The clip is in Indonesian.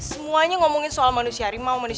semuanya ngomongin soal manusia harimau